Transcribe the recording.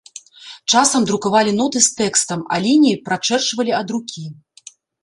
Часам друкавалі ноты з тэкстам, а лініі прачэрчвалі ад рукі.